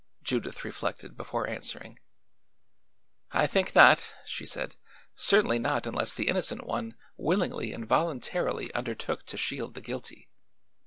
Judith reflected before answering. "I think not," she said. "Certainly not unless the innocent one willingly and voluntarily undertook to shield the guilty.